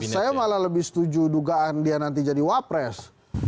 saya malah lebih setuju dugaan dia nanti jadi wapres